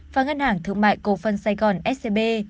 và ngân hàng thương mại cổ phân sài gòn scb